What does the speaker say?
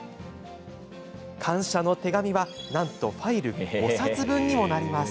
感謝の手紙は、なんとファイル５冊分にもなります。